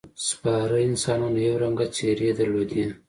سپاره انسانان یو رنګه ځېرې درلودې.